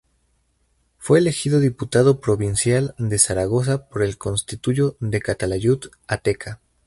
Fue elegido Diputado Provincial de Zaragoza por el distrito de Calatayud-Ateca.